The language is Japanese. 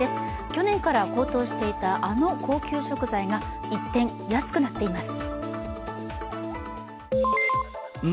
去年から高騰していたあの高級食材が一転、安くなっています。